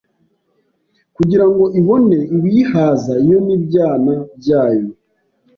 kugira ngo ibone ibiyihaza yo n'ibyana byayo